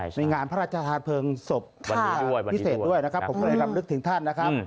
ในงานพระราชทานเพลิงศพวันนี้พิเศษด้วยนะครับผมก็เลยรำลึกถึงท่านนะครับ